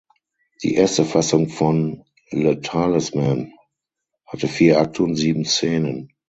Die erste Fassung von "Le Talisman" hatte vier Akte und sieben Szenen.